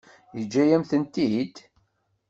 Yeǧǧa-yam-tent-id?